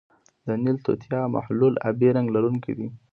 د نیل توتیا محلول آبی رنګ لرونکی دی.